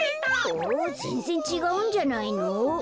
うん？ぜんぜんちがうんじゃないの？